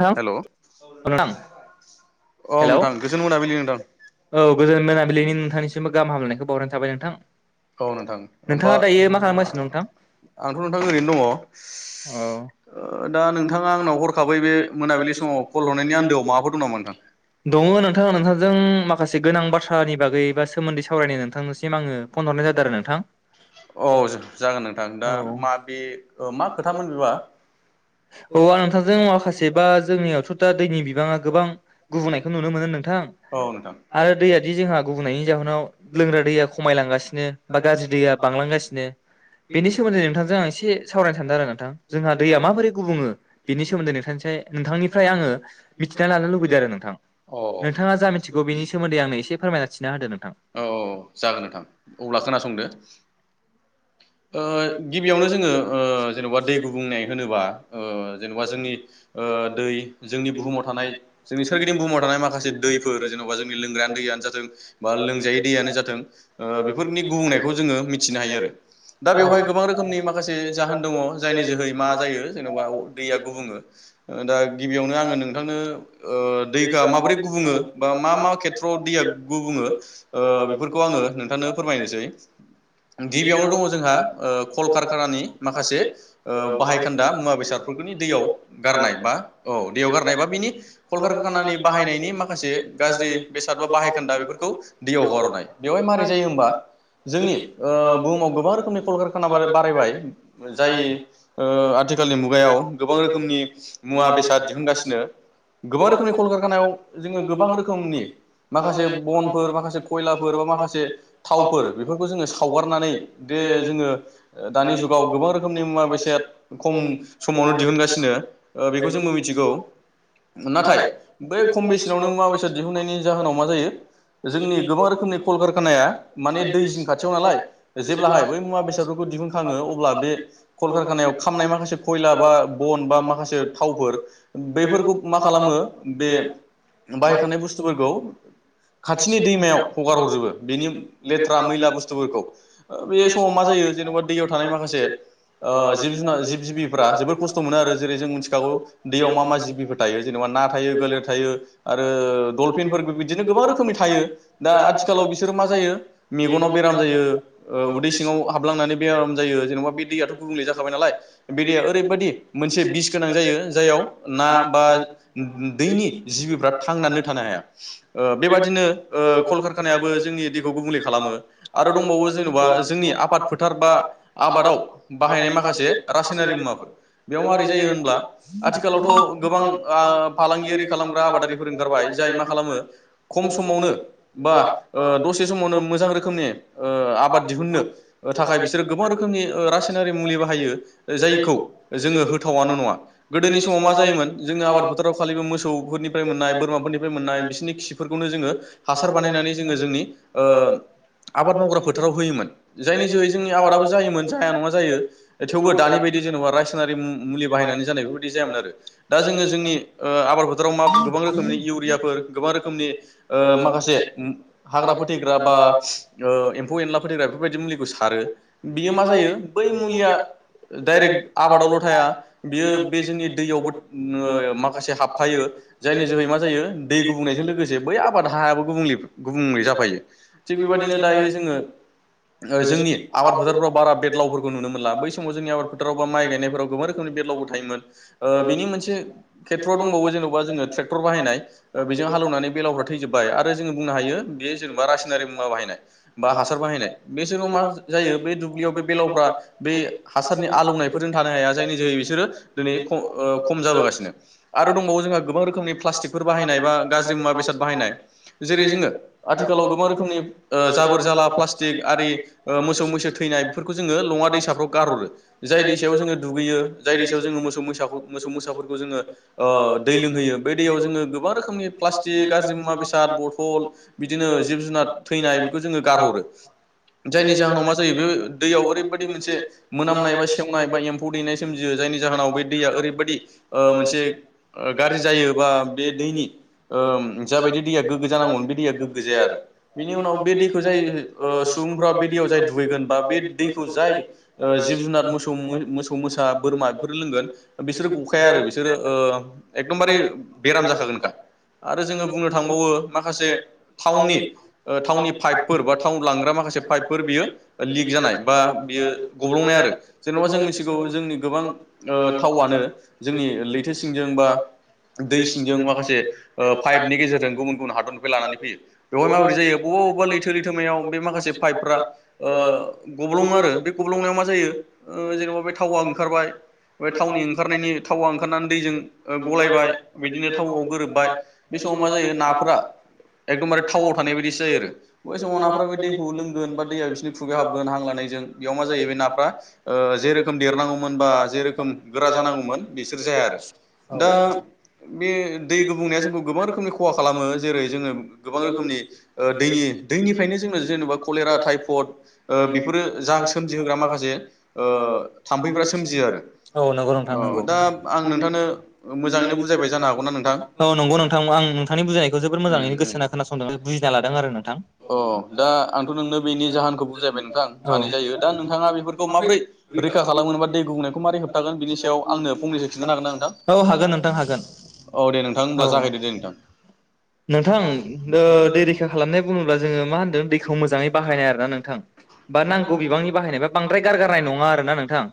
नोंथां हेल' औ नोंथां औ हेलौ नोंथां गोजोन मोनाबिलि नोंथां औ गोजोन मोनाबिलिनि नोंथांनिसिमबो गाहाम हामलानायखौ बाव थाबाय नोंथां औ नोंथां ओमफा नोंथाङा दायो मा खालामगासिनो नोंथां आंथ' नोंथां ओरैनो दङ ओ औ दा नोंथांङा आंनाव हरखाबै बे मोनाबिलि समाव कल हरनायनि आन्दोआव माबाफोर दं नामा नोंथां? दङ नोंथां नोंथांजों माखासे गोनां बाथ्रानि बागै बा सोमोन्दै सावरायनो नोंथांनिसिम आंङो अ जागोन नोंथां दा औ मा बे ओ मा खोथामोन बेबा? औ आं नोंथांजों माखासे बा जोंनियावथ' दा दैनि बिबाङा गोबां गुबुंनायखौ नुनो मोनो नोंथां औ नोंथां आरो दैयादि जोंहा गुबुंनायनि जाहोनाव लोंग्रा दैया खमायलांगासिनो बा गाज्रि दैया बांलांगासिनो बेनि सोमोन्दै नोंथांजों आं एसे सावरायनो सानदों आरो नोंथां जोंहा दैया माबोरै गुबुङो बेनि सोमोन्दै नोंथांनिसाय नोंथांनिफ्राय आंङो मिथिना लानो लुबैदों आरो नों नोंथाङा जा मिथिगौ बेनि सोमोन्दै आंनो एसे फोरमायना थिना होदो नोंथां फोरमायथिना होदो नोंथां। अब्ला खोनासंदो ओ गिबियावनो जोङो ओ जेन'बा दै गुबुंनाय होनोबा ओ जेन'बा जोंनि ओ दै जोंनि बुहुमाव थानाय जोंनि सोरगिदिं बुहुमाव थानाय माखासे दैफोर जेन'बा जोंनि लोंग्रायानो दैयानो जाथों बा लोंजायै दैयानो जाथों ओ बेफ नि गुबुंनायखौ जोंङो मिथिनो आरो हायो दाद बेवहाय गोबां रोखोमनि माखासे जाहोन दङ जायनि जोहै मा जायो जेनबा अ दैया गुबुङो। ओ दा गिबियावनो आंङो नोंथांनो ओ दैखा माबोरै गुबुङो बा मा मा खेथ्रआव दैया गुबुङो ओ बेफोर खौ आंङो नोंथांनो फोरमायनोसै गिबियावनो दङ जोंहा ओ कलकारखानानि माखासे ओ बाहायखोन्दा मुवा बेसादफोरखौनि दैयाव गारनाय बा औ दैयाव गारनाय बा बिनि कल कारखानानि बाहायनायनि माखासे गाज्रि बेसाद बा बाहायखोन्दा बेफोरखौ दैयाव हगारहरनाय बेवहाय मारै जायो होमबा जोंनि ओ बुहुमाव गोबां रोखोमनि कलकारखाना बारायबाय जाय ओ आथिखालनि मुगायाव गोबां रोखोमनि मुवा बेसाद दिहुनगासिनो गोबां रोखोमनि कलकारखानायाव। जोंङो गोबां रोखोमनि माखासे बनफोर माखासे खयलाफोर बा माखासे थावफोर बेफोरखौ जोङो साव गारनानै दे जोङो दानि जुगाव गोबां रोखोमनि मुवा बेसाद खम समावनो दिहुनगासिनो बेखौ जोंबो मिथिगौ नाथाय बे खम [unintelligible] मुवा बेसाद दिहुननायनि जाहोनाव मा जायो जोंनि गोबां रोखोमनि कलकारखानाया माने दै जिं खाथियाव नालाय जेब्लाहाय बै मुवा बेसादफोरखौ दिहुनखाङो अब्ला बे कलकारखानायाव खामनाय माखासे खयला बा बन बा माखासे थावफोर बेैफोरखौ मा खालामो बे बाहायखानाय बुस्थुफोरखौ खाथिनि दैमायाव हगार हरजोबो बेनि लेथ्रा मैला बुस्थुफोरखौ बे समाव मा जायो जेनेबा दैयाव थानाय माखासे जिब जुनार जिब जिबिफ्रा जोबोर खस्थ' मोनो आरो जेरै जों मिथिखागौ दैयाव मा मा जिबिफोर थायो जेनेबा ना थायो, गलोर थायो। आरो दलफिनफोर बिदिनो गोबां रोखोमनि थायो दा आथिखालाव बिसोरो मा जायो मेगनाव बेराम जायो उदै सिङाव हाबलांनानै बेराम जायो जेनेबा बे दैयाथ गुबुंले जाखाबाय नालाय बे दैया ओरैबायदि मोनसे बिस गोनां जायो जाययाव ना बा दैनि थांनानै थानो हाया ओ बेबादिनो ओ कलकारखानायाबो जोंनि दैखौ गुबुंले खालामो आरो दंबावो जेन'बा जोंनि आबाद फोथार बा आबादाव बाहायनाय माखासे रासायनारि मुवाफोर बेयाव माबारै जायो होनब्ला आथिखालावथ' गोबां ओ फालांगियारि खालाम खालामग्रा‌ आबादारिफोर ओंखारबाय जाय मा खालामो खम समावनो बा दसे समावनो मोज मोजां रोखोमनि आबाद दिहुनो थाखाय बिसोरो गोबां रोखोमनि रासायनारि मुलि बाहायो जायखौ जोङो होथावनो नङा गोदोनि समाव मा जायोमोन जोंनि आबाद फोथाराव खालि मोसौफोरनिफ्राय मोननाय बोरमाफोरनिफ्राय मोननाय बिसोरनि खिफोरखौनो जोङो हासार बानायनानै जोङो जोंनि ओ आबाद मावग्रा फोथाराव होयोमोन जायनि जोहै जोंनि आबादाबो जायोमोन जाया नङा जायो थेवबो दानि बायदि जेन'बा रायसनारि मुलि बाहायनानै जानाय बेफोरबायदि जायामोन आरो दा जोङो जोंनि फोथाराव मा गोबां रोखोमनि इउरियाफोर गोबां रोखोमनि माखासे हाग्रा फोथैग्रा बा ओ एम्फौ एनला फोथैग्रा बेफोरबायदि मुलिखौ सारो बियो मा जायो बै मुलिया डाइरेक्ट आबादावल' थाया बियो बे जोंनि दैयावबो माखासे हाब थाबफायो जायनि जोहै मा जायो दै गुबुंनायजों लोगोसे बै आबाद हायाबो गुबुंल गुबुंले जाफायो थिग बेबायदिनो दायो जोङो जोंनि आबाद फोथारफ्राव बारा बेरलावफोरखौ नुनो मोनला बै समाव जोंनि आबाद फोथाराव बा माइ गायनायफोराव गोबां रोखोमनि बेरलावबो थायोमोन बिनि मोनसे खेथ्र'। दंबावो जेनेबा जोङो ट्रेक्टर बाहायनाय बेजों हालेवनानै बेलावफ्रा थैजोबबाय आरो जों बुंनो हायो बेयो जेनबा रा नारि मुवा बाहायनाय बा हासार बाहायनाय बेसोराव मा जायो बे दुब्लियाव बे बेलावफ्रा बे हासारनि आलौनायफोरजों थानो हाया जायनि जोहै बिसोरो दोनै खम जाबोगासिनो आरो दंबावो जोंहा गोबां रोखोमनि प्लास्टिकफोर बाहायनाय बा गाज्रि मुवा बेसाद बाहायनाय जेरै जोङो आथिखालाव गोबां रोखोम रोखोमनि जाबोर जाला प्लासतिक आरि मोसौ मैसो थैनाय बेफोरखौ जोङो लङा दैसाफ्राव गारहरो जाय दैसायाव जोङो दुगैयो जाय दैसायाव जोङो मोसौ मोसौ मोसाफोरखौ जोङो ओ दै लोंहोयो बे दैयाव जोङो गोबां रोखोमनि प्लास्टिक गाज्रि मुवा बेसाद बथ'ल बिदिनो जिब जुनार। थैनाय बेखौ जोङो गारहरो जायनि जाहोनाव मा जायो बे दैयाव ओरैबायदि मोनसे मोनामनाय बा सेवनाय बा एम्फौ दैनाय सोमजियो जायनि जाहोनाव बे दैया ओरैबायदि ओ मोनसे ओ गाज्रि जायो बा बे दैनि ओ जाबायदि दैया गोग्गो जानांगौमोन बे दैया गोग्गो जाया आरो बेनि उनाव बे दैखौ जाय ओ सुबुंफ्रा बे दैयाव जाय दुगैगोन बा बे दैखौ जाय ओ जिब जुनार मोसौ मोसौ मोसा बोरमा बेफोरो लोंगोन बिसोरो गखाया आरो बिसोरो ओ एकदमबारे बेराम जाखागोनखा आरो जोङो बुंनो थांबावो माखासे थाउननि ओ थावनि पाइपफोर बा थाव लांग्रा माखासे पाइफोर बियो लिक जानाय बा बियो गब्लंनाय आरो जेनबा जों मिथिगौ जोंनि गोबां ओ थावआनो जोंनि लैथो सिंजो दै सिंजों माखासे ओ पाइपनि गेजेरजों गुबुन गुबुन हादरनिफ्राय लानानै फैयो बेवहाय माबोरै जायो बबा बबबा लैथो लैथोमायाव बे माखासे पाइपफ्रा ओ गब्लङो आरो बे गब्लंनायाव मा जायो ओ जेनेबा बे थावा ओंखारबाय बे थावनि ओंखारनायनि थावा ओंखारनानै दैजों ओ गलायबाय बिदिनो थावआव गोरोबबाय बे समाव मा जायो नाफोरा एकदमबारे थाव थानाय बायदि जायो आरो बै समाव नाफोरा बे दैखौ लोंगोन बा दैया बिसोरनि खुगायाव हाबगोन हां लानायजों बेयाव मा जायो बे नाफ्रा ओ जेरोखोम देरनांगौमोन बा जेरोखोम गोरा जानांगौमोन बिसोर जाया आरो दा बे दै गुबुंनाया जोंखौ गोबां रोखोमनि खहा खालामो जेरै जोङो गोबां रोखोमनि ओ दैनि दैनिफ्रायनो जोंनो जेनेबा कलेरा टाइफड ओ बेफोरो जा सोमजिहोग्रा माखासे ओ थाम्फैफोरा सोमजियो आरो औ नंगौ नोंथां अ दा आं नोंथांनो मोजाङैनो बुजायबाय जानो हागौना नोंथां? औ उम नंगौ नोंथनि बुजायनायखौ जोबोर मोजाङैनो गोसोहोना खोनासंदों आरो बुजि लादों अ दा आंथ' नोंनो बेनि जाहोनखौ बुजायबाय नोंथां औ मानि जायो दा नोंथाङा बेफोरखौ माबोरै रैखा खालामगोन बा दै गुबुंनायखौ मारै होबथागोन बिनि सायाव आंनो फंनैसो खिनथानो हागोन ना नोंथां? औ हागोन नोंथां औ दे नोंथां औ होनब्लाा जागायदो दे नोंथां नोंथां ओ ओ दै रैखा खालामनाय बुङोब्ला जोङो मा होनदों दैखौ मोजाङै बाहायनाय आरो ना नोंथां बा नांगौ बिबांनि बाहायनाय बा बांद्राय गारगारनाय नङा आरो ना नोंथां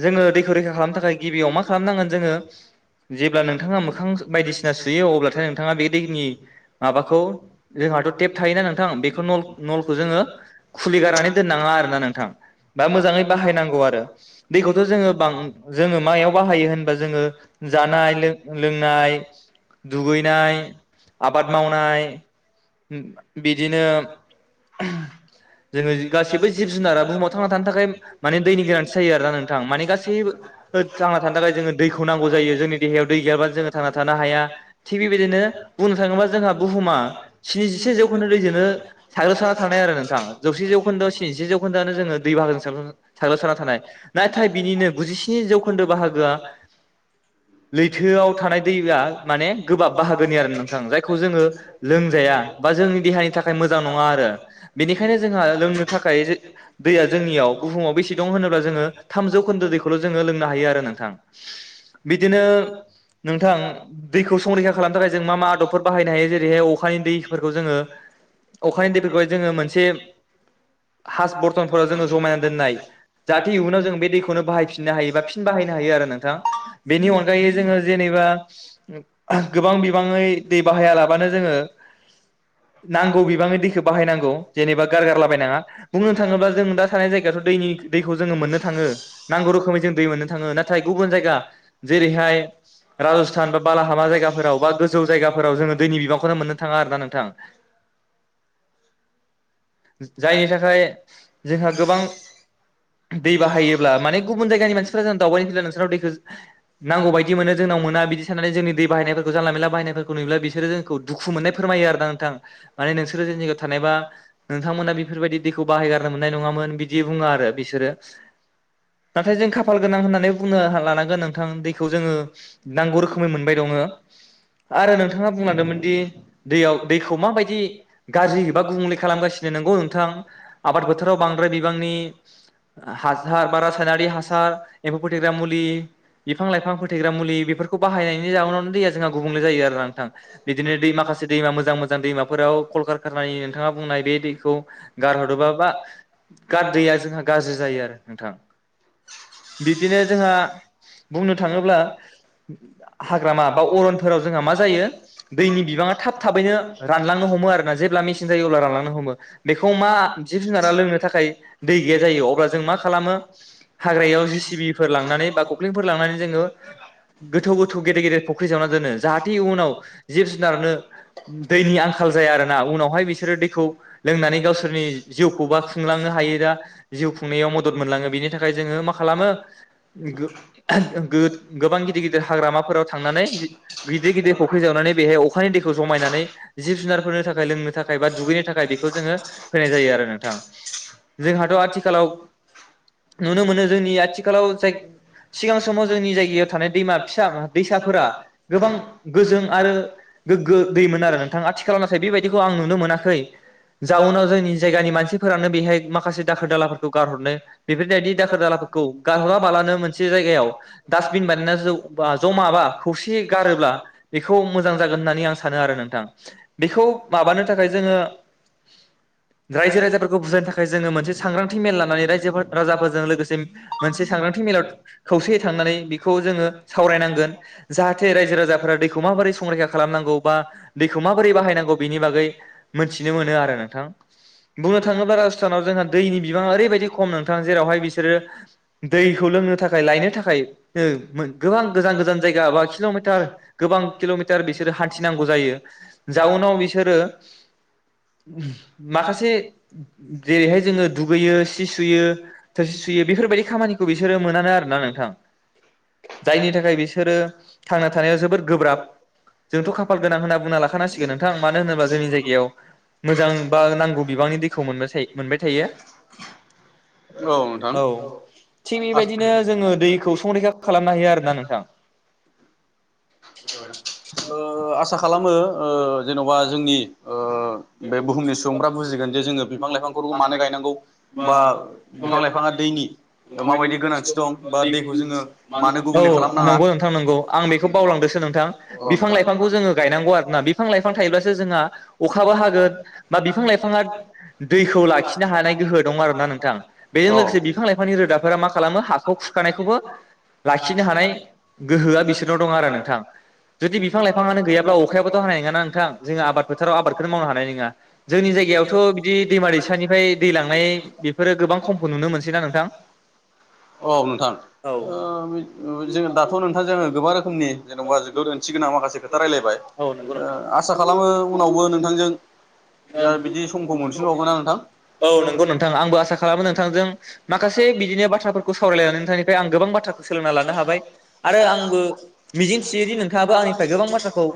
जोङो दैखौ रैखा खालामनो थाखाय गिबियाव मा खालामनांगोन जोङो जेब्ला नोंथाङा मोखां बायदिसिना सुयो अब्लाथाय नोंथाङा बे दैनि माबाखौ जोंहाथ' टेप थायोना नोंथां बेखौ नल-नलखौ जोङो खुलिगारनानै दोननाङा आरोना नोंथां बा मोजाङै बाहायनांगौ आरो दैखौथ' जोङो बां-जोङो मायाव बाहायो होनबा जोङो जानाय लों-लोंनाय दुगैनाय आबाद मावनाय। उम बिदिनो जोङो गासैबो जिब जुनार बुहुमाव थांना थानो थाखाय माने दैनि गोनांथि जायो आरोना नोंथां माने गासैबो थांना थानो थाखाय जोङो दैख नांगौ जायो जोंनि देहायाव दै गैयाबा जोङो थांना थानो हाया थिग बेबायदिनो बुंनो थाङोबा जोंहा बुहुमा स्निजिसे जौखोन्दो दैजोंनो साग्लोबसारना थानाय आरो नोंथाङ जौसे जौखोन्दो स्निजिसे जौखोन्दोआनो जोङो दै बाहागोजों साग्लोबसारना थानाय नाथाय बिनिनो गुजिस्नि जौखोन्दो बाहागोआ लैथोआव थानाय दैया माने गोबाब बाहागोनि आरो नोंथां जायखौ जोङो लो बा जोंनि देहानि थाखाय मोजां नङा आरो बेनिखायनो जोंहा लोंनो थाखाय जे दैया जोंनियाव बुहुमाव बेसे दं होनोब्ला जोङो थाम जौखोन्दो दैखौल' जोङो लोंनो हायो आरो नोंथां। बिदिनो नोंथां दैखौ संरैखा खालामनो थाखाय जों मा मा आदबफोर बाहायनो हायो जेरैहाय अखानि दैफोरखौ जोङो अखानि दैफोरखौहाय जोङो मोनसे हास बरतनफोराव जोङो जमायना दोननाय जाहाथे इयुनाव जोंङो बे दैखौनो बाहायफिननो हायो बा फिन बाहायनो हायो आरो नोंथां। बेनि अनगायै जोङो जेनेबा गोबां बिबाङै दै बाहाया लाबानो जोङो नांगौ बिबाङै दैखौ बाहायनांगौ जेनेबा गारगारलाबायनाङा बुंनो थाङोब्ला जों दा थानाय जायगायाथ' दैनि दैखौ जोङो मोननो थाङो नांगौ रोखोमै जों दै मोननो थाङो नाथाय गुबुन जायगा जेरैहाय राजस्थान बा बालाहालामा जायगाफोराव बा गोजौ जायगाफोराव जों दैनि बिबां नो मोननो थाङा आरोना नोंथां। जायनि थाखाय जोंहा गोबां दै बाहायोब्ला माने गुबुन जायगानि मानसिफ्रा जों दावबायनो फैला नोंसोरनाव दैखौ नांगौ बायदि मोनो जोंनाव मोना बिदि साननानै जोंनि दै बाहायनायफोरखौ जानला मेलला बाहायनायफोरखौ नुयोब्ला बिसोरो जोंखौ दुखु मोननाय फोरमायो आरो ना नोंथां माने नोंसोरो जों जायगायाव थानायबा नोंथांमोना बेफोरबायदि दैखौ बाहायगारनो मोननाय नङामोन बिदि बुङो आरो बिसोरो नाथाय जों खाफाल गोनां होननानै बुंनो लानांगोन नों। नोंथ दैखौ जोङो नांगौ रोखोमै मोनबाय दङ आरो नोंथाङा बुंलांदोंमोन दि दैयाव दैखौ माबायदि गाज्रि बा गुबुंलै खालामगासिनो। नोंगौ नोंथां आबाद बोथोराव बांद्राय बिबांनि हासार बा रासायनारि हासार एम्फौ फोथग्रा मुलि बिफां लाइफां फोथैग्रा मुलि बेफोरखौ बाहायनायनि जाहोनावनो दैया जोंहा गुबुंले जायो आरो नोंथां बिदिनो दै माखासे दैमा मोजां मोजां दैमाफोराव कलकार खारानि नोंथाङा बुंनाय बे दै गारहरोबाबा गार दैया जोंहा गाज्रि जायो आरो नोंथां बिदिनो जोंहा, बुंनो थाङोब्ला हाग्रामा बा अरनफोराव जोंहा मा जायो दैनि बिबाङा थाब थाबैनो रानलांनो हमो आरोना जेब्ला मेसिन जायो अब्ला रानलांनो हमो बेखौ मा जिब जुनारा लोंनो थाखाय दै गैया जायो अब्ला जों मा खालामो हाग्रायाव जि सिबिफोर लांनानै बा [unintelligible] लांनानै जोङो गोथौ गोथौ गेदेर गेदेर फुख्रि जावनानै दोन जाहेनाव जिब जुनारनो दैनि आंखाल जायोना उनावाय बिसोर दै होननानै गावसोरनि जिउखौबा खुंलांनो हायो दा जिउ खुंनायाव मदद मोनलाङो बेनि थाखाय जोङो मा खालामो गोबां गिदिर गिदिर हाग्रामाफोराव थांनानै गिदिर गिदिर फुख्रि जावनानै बेहाय अखानि दैखौ जमायनानै जिब जुनारफोरनो थाखाय लोंनो थाखाय बा दुगैनो थाखाय बेखौ जों, होनाय जायो आरो नोंथां जोंहाथ आथिखालाव नुनो मोनो। जोंनि आथिखालाव जाय - सिगां समाव जोंनि जायगायाव थानाय दैमा फिसा दैसाफोरा गोबां गोजों आरो गोग्गो दैमोन आरो नोंथां आथिखालाव नाथाय बेबायदिखौ आं नुनो मोनाखै जाउनाव जोंनि जायगानि मानसिफोरानो बेहाय माखासे दाखोर दालाफोरखौ गारहरनो बेफोरबायदि दाखोर दालाफोरखौ गारहराबालानो मोन जायगायाव डास्बिन बानायनानै ज' ज' माबा खौसे गारोब्ला बेखौ मोजां जागोन होननानै आं सानो आरो नोंथां बेखौ माबानो थाखाय जोङो। रायजो राजाफोरखौ बुजायनो थाखाय जोङो मोनसे सांग्रांथि मेल लानानै रायजो राजाफोरजों लोगोसे मोनसे सांग्रांथि मेलाव खौसेयै थांनानै बेखौ जोङो सावरायनांगोन जाहाथे रायजो राजाफोरा दैखौ माबोरै संरैखा खालामनांगौ बा दैखौ माबोरै बाहायनांगौ बिनि बागै मोनथिनो नोंथां बुंनो थाङोब्ला राजथाव जोंहा दैनि बिबाङा ओरैबायदि खम नोंथां जेरावहाय बिसोरो दैखौ लोंनो थाखाय लायनो थाखाय गोबां गोजान गोजान जायगा बा किलमिटार गोबां किलमिटार बिसोरो हान्थिनांगौ जायो जाउनाव बिसोरो उम माखासे जेरैहाय जोङो दुगैयो सि सुयो थोरसि सुयो बेफोरबायदि खामानिखौ बिसोरो मोनानो आरो ना नोंथां जायनि थाखाय बिसोरो थांना थानाया जोबोद गोब्राब जोंथ' खाफाल गोनां होनना बुंना लाखानांसिगोन नोंथां मानो होनोब्ला जोंनि जायगायाव मोजां बा नांगौ बिबांनि दैखौ मोनबायसाय मोनबाय थायो औ नोंथां औ थिग बेबायदिनो जोङो दैखौ संरैखा खालामनो हायो आरोना नोंथां ओ आसा खालामो ओ जेनबा जोंनि ओ बे बुहुमनि सुबुंफ्रा बुजिगोन जे जोङो बिफां लाइफांफोरखौ मानो गायनांगौ बा बिफां लाइफाङा दैनि ओ माबायदि औ गोनांथि दं बा दैखौ जोङो मानो गुबुंले खालामनाङा नंगौ नोंथां नंगौ आं बेखौ बावलांदोसो नोंथां औ बिफां लाइफांखौ जोङो गायनांगौ आरोना बिफां लाइफां थायोब्लासो जोंहा नोंथां अखाब हागोन बा बिफां लाइफांआ दैखो लाखिनो हानाय गोहो दङ आरो ना नोंथां बेजों लोगोसे बिफां लाइफां रोदाफोरा मा खालामो हाखो खौ खुरखानायखौबो लाखिनो हानाय गोहोआ बिसोरनाव दं आरो नोंथां जुदि बिफां लाइफाङानो गैयाब्ला अखायाबोथ' हानाय नङा नोंथां जो आबाद फोथाराव आबादखौनो माव नो हानाय नङा जोंनि जायगायावथ बिदि दैमा दैसानिफ्राय दै लांनाय बेफोरो गोबां खमखौ नुनो मोनसैना नोंथां? अ' नोंथां ओ जोङो दाथ' नोंथां जोङो गोबां रोखोम जेनबा [unintelligible] था रायलायबाय औ नंगौ ओ नोंथां आसा खालामो उनावबो नोंथांजों दा बिदि समखौ मोनफिनबावगोन ना नोंथां ओ [unintelligible] औ नोंगौ नोंथां आंबो आसा खालामो नोंथांजों माखासे बिदिनो बाथ्राफोरखौ सावरायलायनानै नोंथांनिफ्राय आं गोबां बाथ्राखौ सोलोंना लानो हाबाय आरो आंबो मिजिंथियोदि नोंथाङाबो आंनि गोबां बाथ्राखौ